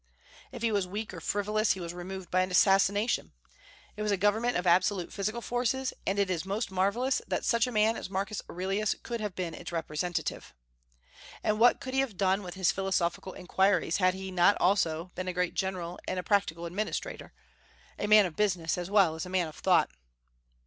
If he was weak or frivolous, he was removed by assassination. It was a government of absolute physical forces, and it is most marvellous that such a man as Marcus Aurelius could have been its representative. And what could he have done with his philosophical inquiries had he not also been a great general and a practical administrator, a man of business as well as a man of thought?